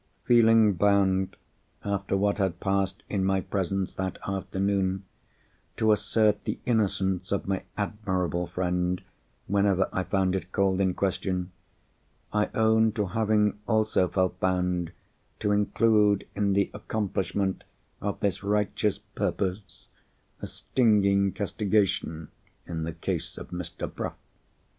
Feeling bound, after what had passed in my presence that afternoon, to assert the innocence of my admirable friend, whenever I found it called in question—I own to having also felt bound to include in the accomplishment of this righteous purpose, a stinging castigation in the case of Mr. Bruff.